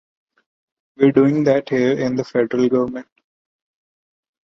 We’re doing that here in the federal government.